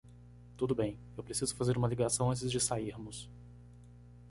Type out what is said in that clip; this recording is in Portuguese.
Tudo bem, eu preciso fazer uma ligação antes de sairmos.